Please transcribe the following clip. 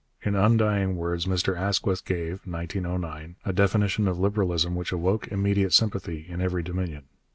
In undying words Mr Asquith gave (1909) a definition of Liberalism which awoke immediate sympathy in every Dominion.